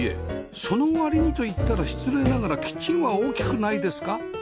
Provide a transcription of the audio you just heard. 「その割に」といったら失礼ながらキッチンは大きくないですか？